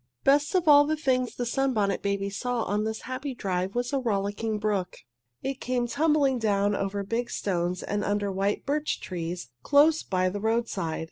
Best of all the things the Sunbonnet Babies saw on this happy drive was a rollicking brook. It came tumbling down over big stones and under white birch trees close by the roadside.